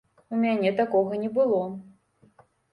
У мяне такога не было.